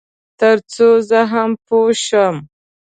تر څو زه هم پوه شم.